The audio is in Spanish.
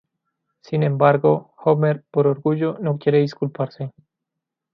Sin embargo, Homer, por orgullo, no quiere disculparse.